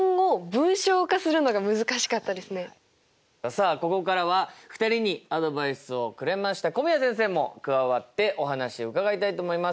さあここからは２人にアドバイスをくれました古宮先生も加わってお話を伺いたいと思います。